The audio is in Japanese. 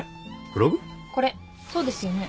これそうですよね？